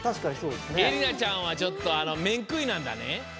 えりなちゃんはちょっとあのめんくいなんだね。